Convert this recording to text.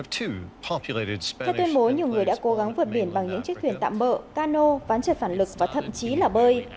theo tuyên bố nhiều người đã cố gắng vượt biển bằng những chiếc thuyền tạm bỡ cano ván trởt phản lực và thậm chí là bơi